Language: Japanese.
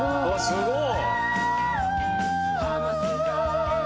すごい！